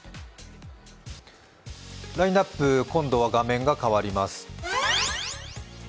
ラインナップ、今度は画面が変わります。